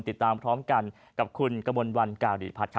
ติดตามพร้อมกันกับคุณกมลวันกาหลีผัช